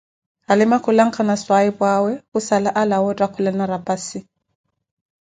Halima khulanka na swahiphu'awe khussala alawa otthaakulana raphassi